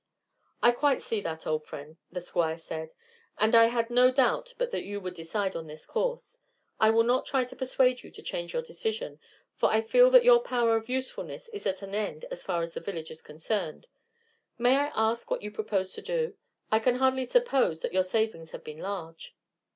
"I quite see that, old friend," the Squire said. "And I had no doubt but that you would decide on this course. I will try not to persuade you to change your decision, for I feel that your power of usefulness is at an end as far as the village is concerned. May I ask what you propose to do? I can hardly suppose that your savings have been large."